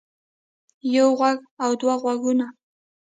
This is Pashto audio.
يو غوږ او دوه غوږونه